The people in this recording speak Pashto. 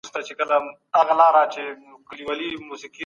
سایبر امنیتي حلونه د معلوماتو د غلا مخه نیسي.